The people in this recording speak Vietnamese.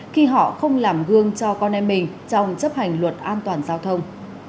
khi họ không làm gương cho con em mình trong chấp hành luật an toàn giao thông